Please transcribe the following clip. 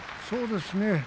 そうですね。